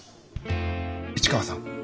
市川さん